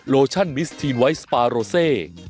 โลชั่นมิสทีนไวท์สปาโรเซ